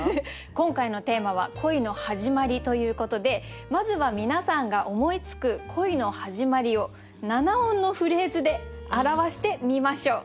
今回のテーマは「恋の始まり」ということでまずは皆さんが思いつく恋の始まりを７音のフレーズで表してみましょう。